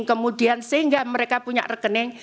kemudian sehingga mereka punya rekening